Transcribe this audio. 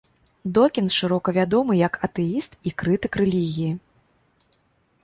Докінз шырока вядомы як атэіст і крытык рэлігіі.